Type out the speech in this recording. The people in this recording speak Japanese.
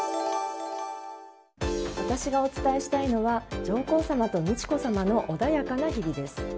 私がお伝えしたいのは上皇さまと美智子さまの穏やかな日々です。